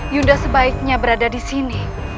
yunda sebaiknya berada disini